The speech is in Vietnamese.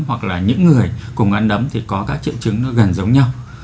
hoặc là những người cùng ăn nấm thì có các triệu chứng nó gần giống nhau